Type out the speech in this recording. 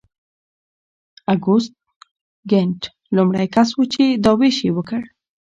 اګوست کنت لومړی کس و چې دا ویش یې وکړ.